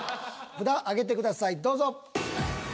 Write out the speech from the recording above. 札上げてくださいどうぞ。